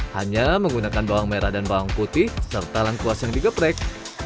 hanya menggunakan bawang merah dan bawang putih serta lengkuas yang digeprek